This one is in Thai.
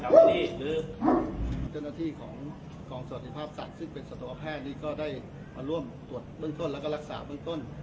สวัสดีครับทุกคนของกรองสถิตภาพสัตว์ซึ่งเป็นสถวแพทย์นี้ก็ได้มาร่วมตรวจเบื้องต้นและรักษาเบื้องต้น